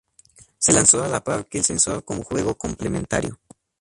Se lanzó a la par que el sensor como juego complementario.